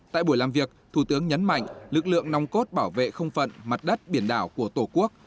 tại buổi làm việc thủ tướng nhấn mạnh lực lượng nòng cốt bảo vệ không phận mặt đất biển đảo của tổ quốc